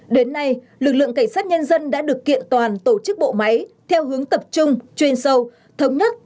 đến nay lực lượng cảnh sát nhân dân đã được kiện toàn tổ chức bộ máy theo hướng tập trung chuyên sâu thống nhất